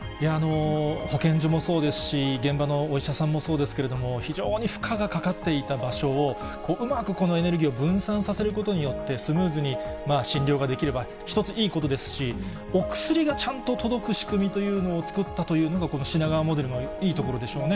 保健所もそうですし、現場のお医者さんもそうですけれども、非常に負荷がかかっていた場所を、うまくこのエネルギーを分散させることによって、スムーズに診療ができれば、一つ、いいことですし、お薬がちゃんと届く仕組みというのを作ったというのが、この品川モデルのいいところでしょうね。